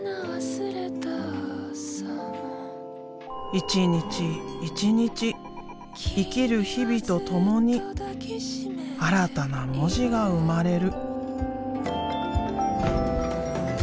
一日一日生きる日々とともに新たな文字が生まれる。